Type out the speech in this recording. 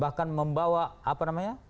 bahkan membawa apa namanya